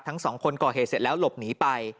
ทั้งสองคนก่อเหตุเสร็จแล้วหลบหนีไป